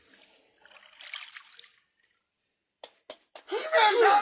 姫様！